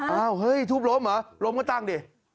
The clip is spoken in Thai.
อ้าวเฮ้ยทุบล้มเหรอล้มก็ตั้งดิ